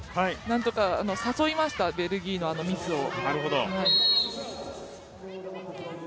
何とか誘いました、ベルギーのミスを。